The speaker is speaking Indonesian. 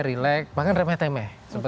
rilek bahkan remeh temeh